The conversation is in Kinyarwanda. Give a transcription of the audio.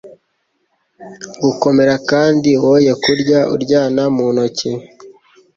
gukomera kandi woye kurya uryana mu ntoki